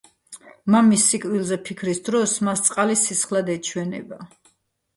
მამის სიკვდილზე ფიქრის დროს მას წყალი სისხლად ეჩვენება.